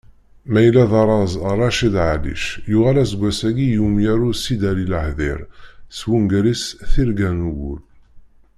Ma yella d arraz Raccid Ɛallic yuɣal aseggas-agi i umyaru Sidali Lahdir s wungal-is Tirga n wul.